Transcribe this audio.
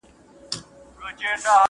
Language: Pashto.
شیخه څنګه ستا د حورو کیسې واورم!